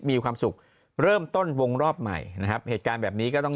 มีความสุขเริ่มต้นวงรอบใหม่นะครับเหตุการณ์แบบนี้ก็ต้อง